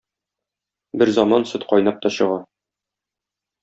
Берзаман сөт кайнап та чыга.